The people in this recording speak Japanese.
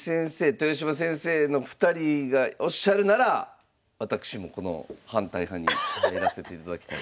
豊島先生の２人がおっしゃるなら私もこの反対派に入らせていただきたいと思います。